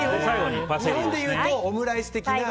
日本でいうとオムライス的な。